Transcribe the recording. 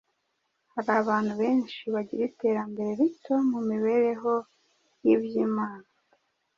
Hari abantu benshi bagira iterambere rito mu mibereho y’iby’Imana